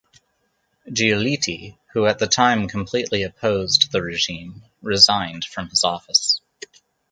Giolitti, who at the time, completely opposed the regime, resigned from his office.